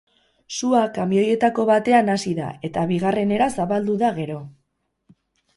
Sua kamioietako batean hasi da, eta bigarrenera zabaldu da gero.